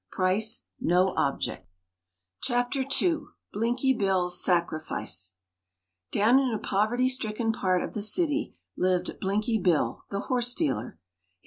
Price no object." Chapter II. BLINKY BILL'S SACRIFICE Down in a poverty stricken part of the city lived Blinky Bill, the horse dealer.